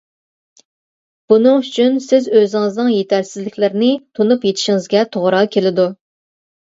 بۇنىڭ ئۈچۈن سىز ئۆزىڭىزنىڭ يېتەرسىزلىكلىرىنى تونۇپ يېتىشىڭىزگە توغرا كېلىدۇ.